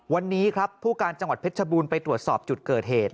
วันนี้ครับผู้การจังหวัดเพชรบูรณ์ไปตรวจสอบจุดเกิดเหตุ